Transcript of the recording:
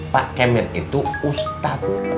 pak kemet itu ustadz